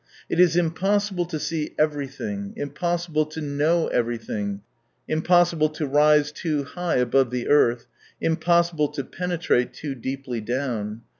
It is im possible to see everything, impossible to know everything, impossible to rise too high above the earth, impossible to penetrate too deeply down.